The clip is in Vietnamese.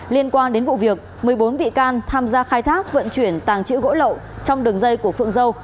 liên quan đến vụ việc một mươi bốn bị can tham gia khai thác vận chuyển tàng trữ gỗ lậu trong đường dây của phượng dâu